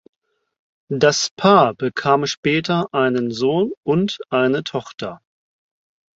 Das Paar bekam später einen Sohn und eine Tochter.